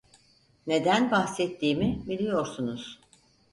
Neden bahsettiğimi biliyorsunuz.